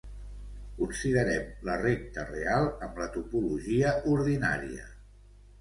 Considerem la recta real amb la topologia ordinària.